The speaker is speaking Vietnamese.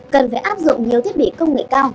cần phải áp dụng nhiều thiết bị công nghệ cao